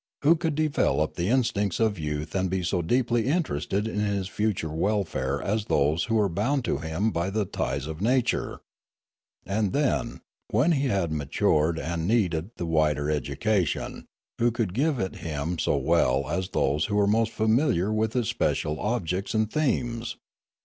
Who could develop the in stincts of youth and be so deeply interested in his future welfare as those who were bound to him by the ties of nature ? And then, when he had matured and needed the wider education, who could give it him so well as those who were most familiar with its special objects and themes